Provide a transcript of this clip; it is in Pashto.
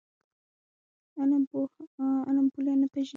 علم پوله نه پېژني.